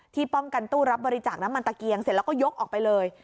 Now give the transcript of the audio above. ป้องกันตู้รับบริจาคน้ำมันตะเกียงเสร็จแล้วก็ยกออกไปเลย